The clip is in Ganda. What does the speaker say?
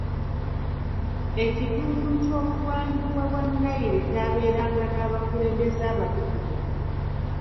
Ekitundu ky'obugwanjuba bwa Nile kyabeeranga n'abakulembeze abatutumufu.